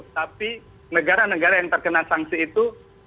tapi negara negara yang terkena sanksi itu